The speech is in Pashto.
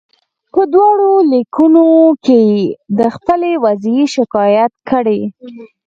په دواړو لیکونو کې یې د خپلې وضعې شکایت کړی.